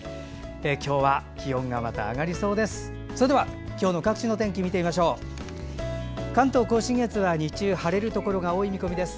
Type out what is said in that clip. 今日は気温がまた上がりそうです。